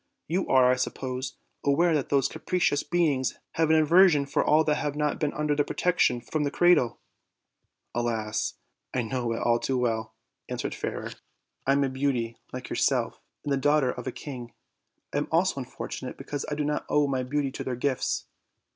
You are, I suppose, aware that those capricious beings have an aversion for all who have not been under their protection from the cradle." "Alasl I know it but too well," answered Fairer. OLD, OLD FAIRY TALES. 41 "I am a beauty, like yourself, and the daughter of a king; I am also unfortunate, because I do not owe my beauty to their gifts."